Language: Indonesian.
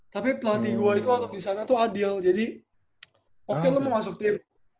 tapi pelatih gue itu disana tuh adil jadi oke lo mau masuk tim